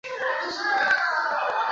新疆花蛛为蟹蛛科花蛛属的动物。